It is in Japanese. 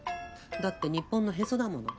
だって日本のへそだもの。